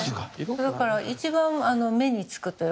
だから一番目に付くというか。